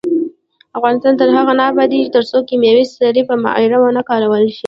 افغانستان تر هغو نه ابادیږي، ترڅو کیمیاوي سرې په معیار ونه کارول شي.